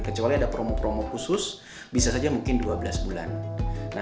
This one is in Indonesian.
kecuali ada promo promo khusus bisa saja mungkin dua belas bulan